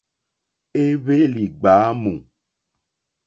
Éhwélì ɡbǎmù.